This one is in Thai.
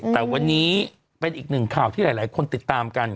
แต่วันนี้เป็นอีกหนึ่งข่าวที่หลายคนติดตามกัน